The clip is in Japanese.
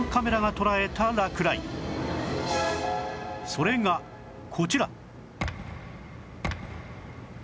それがこちら